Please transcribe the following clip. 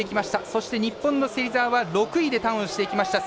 そして、日本の芹澤は６位でターンをしていきました。